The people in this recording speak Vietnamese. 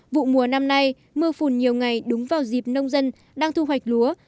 vụ mùa năm nay mưa phùn nhiều ngày đúng vào dịp nông dân đang thu hoạch lúa